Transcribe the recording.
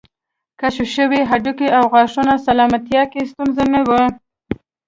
کشف شوي هډوکي او غاښونه سلامتیا کې ستونزه نه وه